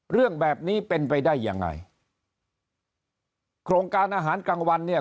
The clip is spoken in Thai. เรื่องแบบนี้เป็นไปได้ยังไงโครงการอาหารกลางวันเนี่ย